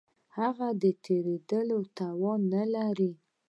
هغه د تېرېدلو توان نه لري.